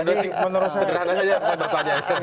jadi menurut saya